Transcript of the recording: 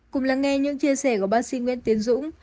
cùng lắng nghe những chia sẻ của bác sinh nguyên tiến dũng